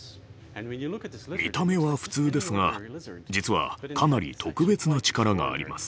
見た目は普通ですが実はかなり特別な力があります。